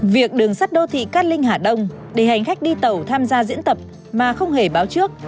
việc đường sắt đô thị cát linh hà đông để hành khách đi tàu tham gia diễn tập mà không hề báo trước